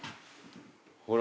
ほら。